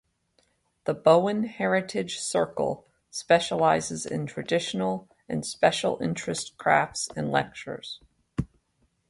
The Bowen Heritage Circle specializes in traditional and special interest crafts and lectures.